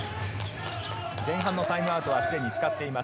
前半のタイムアウトはすでに使っています。